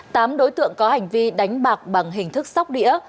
tám đối tượng có hành vi đánh bạc bằng hình thức sóc đĩa